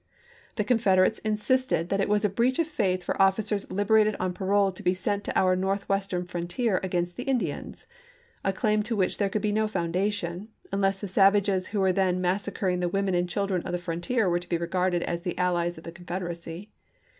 The Confederates insisted that it was a breach of faith for officers liberated on parole to be sent to our Northwestern frontier against the Indians — a claim to which there could be no foundation, unless the savages who were then massacring the women and children of the frontier were to be regarded as the allies of the Confederacy.